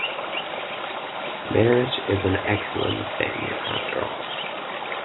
Marriage is an excellent thing, after all.